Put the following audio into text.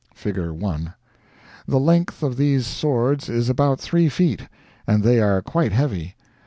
[Figure 1] The length of these swords is about three feet, and they are quite heavy.